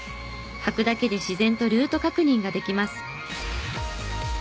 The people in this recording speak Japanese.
履くだけで自然とルート確認ができます。